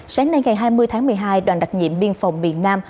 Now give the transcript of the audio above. sáng nay ngày hai mươi tháng một mươi hai đoàn đặc nhiệm biên phòng miền nam